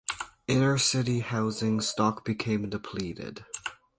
Inner-city housing stock became depleted.